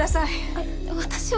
あっ私は。